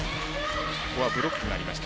ここはブロックがありました。